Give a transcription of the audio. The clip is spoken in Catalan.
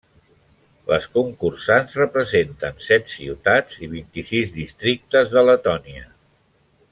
Les concursants representen set ciutats i vint-i-sis districtes de Letònia.